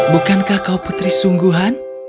bukankah kau putri sungguhan